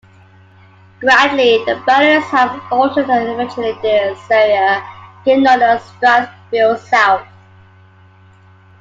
Gradually the boundaries have altered and eventually this area became known as Strathfield South.